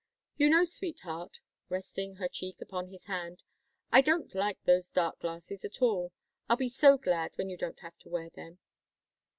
"You know, sweetheart," resting her cheek upon his hand, "I don't like those dark glasses at all. I'll be so glad when you don't have to wear them."